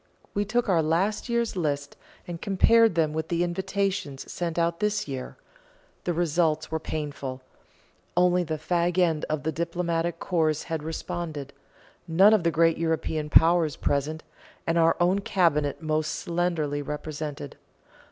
We took our last year's list, and compared them with the invitations sent out this year. The results were painful; only the fag end of the diplomatic corps had responded none of the great European powers present, and our own Cabinet most slenderly represented.